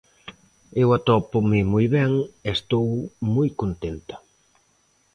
Eu atópome moi ben e estou moi contenta.